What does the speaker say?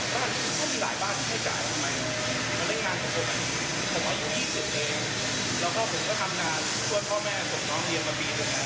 คุณเสียสุดใจนะครับ